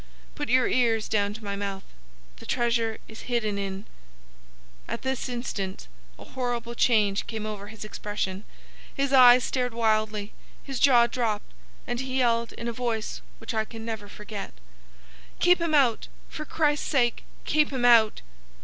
Put your ears down to my mouth. The treasure is hidden in—' "At this instant a horrible change came over his expression; his eyes stared wildly, his jaw dropped, and he yelled, in a voice which I can never forget, 'Keep him out! For Christ's sake keep him out!